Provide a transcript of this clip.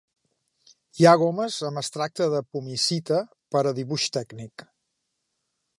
Hi ha gomes amb extracte de Pumicita per a dibuix tècnic.